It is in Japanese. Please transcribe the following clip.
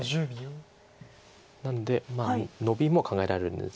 なのでノビも考えられるんですけど。